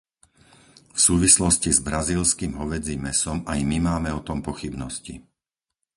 V súvislosti s brazílskym hovädzím mäsom aj my máme o tom pochybnosti.